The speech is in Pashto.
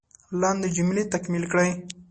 لاندې جملې تکمیل کړئ.